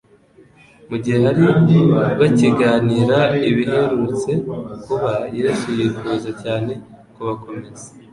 Mu gihe bari bakiganira ibiherutse kuba, Yesu yifuza cyane kubakomeza.